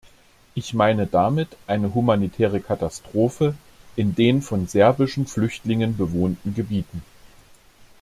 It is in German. Ich meine damit eine humanitäre Katastrophe in den von serbischen Flüchtlingen bewohnten Gebieten.